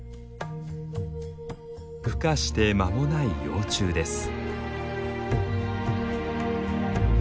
ふ化して間もない幼虫です。